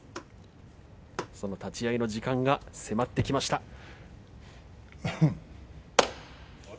立ち合いの時間が迫ってきました。